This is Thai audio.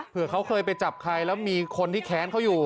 เผื่อเขาเคยไปจับใครแล้วมีคนที่แค้นเขาอยู่